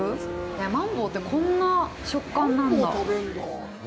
マンボウってこんな食感なんだ